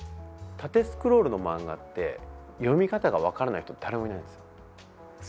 縦スクロールの漫画って読み方が分からない人誰もいないんです。